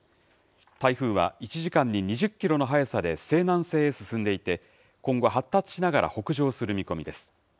台風は、１時間に２０キロの速さで西南西へ進んでいて、今後、発達しながら北上する見込みです。